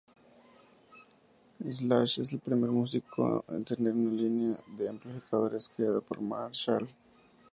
Slash es el primer músico en tener una línea de amplificadores creada por Marshall.